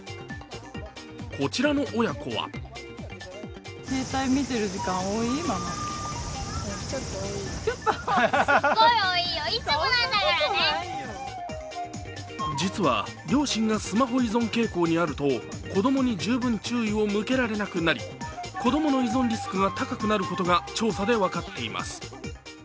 こちらの親子は実は両親がスマホ依存傾向にあると子供に十分注意を向けられなくなり子供の依存リスクが高くなることが調査で分かっています。